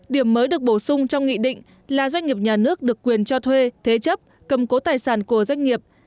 điểm mới được bổ sung trong nghị định là doanh nghiệp nhà nước được quyền cho thuê thế chấp cầm cố tài sản của doanh nghiệp